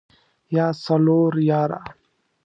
يا څلور ياره.